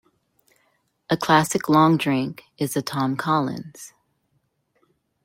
A classic long drink is a Tom Collins.